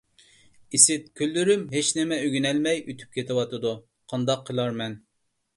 ئىسىت، كۈنلىرىم ھېچنېمە ئۆگىنەلمەي ئۆتۈپ كېتىۋاتىدۇ. قانداق قىلارمەن؟